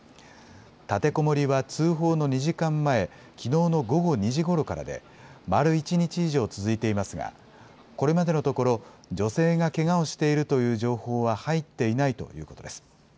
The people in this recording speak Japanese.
立てこもりは通報の２時間前、きのうの午後２時ごろからで、丸１日以上続いていますが、これまでのところ、女性がけがをしているという情報は入っていないということです。